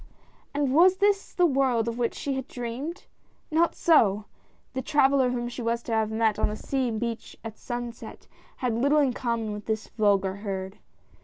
And was this the world of which she had dreamed ? Not so! The traveller whom she was to have met on the sea beach at sunset, had little in common with this vulgar herd.